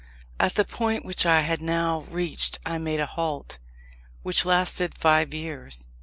At the point which I had now reached I made a halt, which lasted five years.